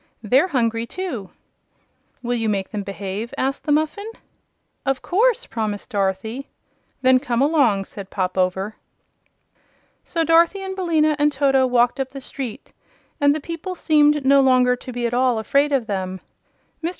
They're hungry, too." "Will you make them behave?" asked the Muffin. "Of course," promised Dorothy. "Then come along," said Pop Over. So Dorothy and Billina and Toto walked up the street and the people seemed no longer to be at all afraid of them. Mr.